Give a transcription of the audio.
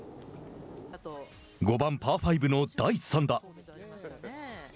５番パー５の第３打。